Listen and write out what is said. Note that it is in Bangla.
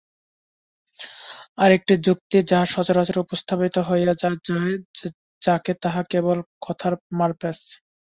আর একটি যুক্তি, যাহা সচরাচর উপস্থাপিত হইয়া থাকে, তাহা কেবল কথার মারপ্যাঁচ।